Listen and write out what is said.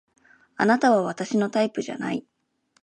あなたは私のタイプじゃない